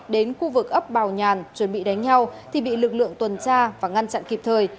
đến khu vực ấp bào nhàn chuẩn bị đánh nhau thì bị lực lượng tuần tra và ngăn chặn kịp thời